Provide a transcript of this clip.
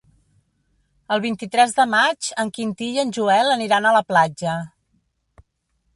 El vint-i-tres de maig en Quintí i en Joel aniran a la platja.